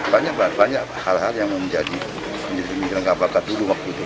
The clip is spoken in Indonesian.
banyak banyak hal hal yang menjadi menjadi mengiklan kapal katudung waktu itu